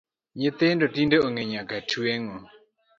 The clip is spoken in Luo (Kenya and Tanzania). Nyithindo tinde ong’e nyaka tueng’o